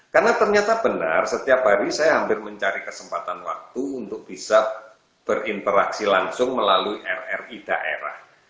karena ternyata benar setiap hari saya hampir mencari kesempatan waktu untuk bisa berinteraksi langsung melalui rri daerah